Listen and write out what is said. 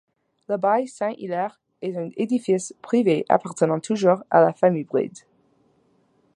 L’abbaye Saint-Hilaire est un édifice privé appartenant toujours à la famille Bride.